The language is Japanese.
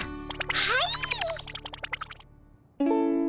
はい！